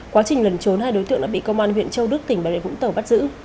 quá trình lần trốn hai đối tượng đã bị công an huyện châu đức tỉnh bà rịa vũng tàu bắt giữ